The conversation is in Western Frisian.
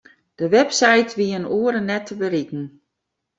De webside wie in oere net te berikken.